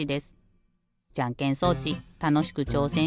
じゃんけん装置たのしくちょうせんしてますか？